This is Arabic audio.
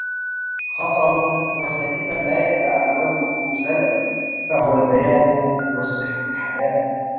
خَطَلٌ ، وَسَلِيمًا لَا يَتَعَوَّدُهُ زَلَلٌ ، فَهُوَ الْبَيَانُ وَالسَّحَرُ الْحَلَالُ